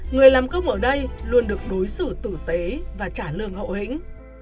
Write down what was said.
người làm công ở đây luôn được đối xử tử tế và trả lương hậu hĩnh